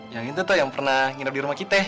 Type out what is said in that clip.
yang itu tuh yang pernah nginep di rumah kita